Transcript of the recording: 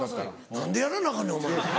何でやらなアカンねんお前。